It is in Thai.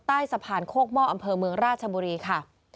ใต้สะพานโคกหม้ออำเภอเมืองราชบุรีค่ะ